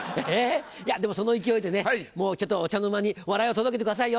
いやでもその勢いでねお茶の間に笑いを届けてくださいよ。